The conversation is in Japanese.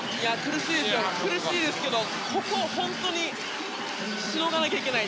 苦しいですけどここ、本当にしのがなきゃいけない。